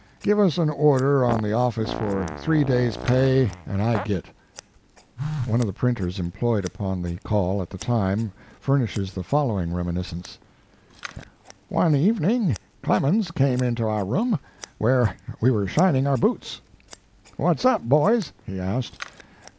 Give us an order on the office for three days pay and I git." One of the printers employed upon the Call at the time, furnishes the follow ing reminiscence: "One evening Clemens came into our room where we were shining our boots. "What s up, boys?" he asked.